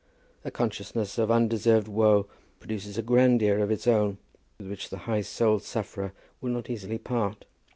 A consciousness of undeserved woe produces a grandeur of its own, with which the high souled sufferer will not easily part.